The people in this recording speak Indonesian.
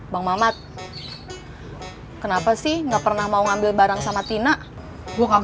bang mamat kenapa sih nggak pernah mau ngambil barang sama tina gua kagak mau punya utang